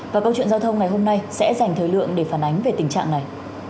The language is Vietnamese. và câu chuyện giao thông ngày hôm nay sẽ dành thời lượng để phản ánh về tình trạng này